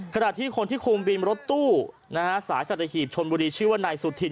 ขณะที่คนที่คุมวินรถตู้สายสัตหีบชนบุรีชื่อว่านายสุธิน